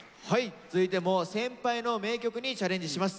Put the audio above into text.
続いても先輩の名曲にチャレンジします。